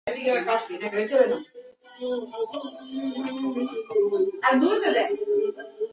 যেন আমি তাকে হত্যা করি এবং তার যুদ্ধাস্ত্র ছিনিয়ে নেই।